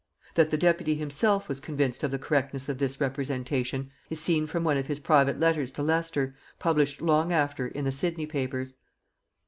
That the deputy himself was convinced of the correctness of this representation is seen from one of his private letters to Leicester, published long after in the "Sidney Papers."